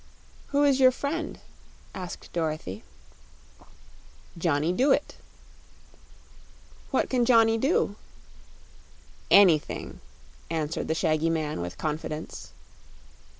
"Who is your friend?" asked Dorothy. "Johnny Dooit." "What can Johnny do?" "Anything," answered the shaggy man, with confidence.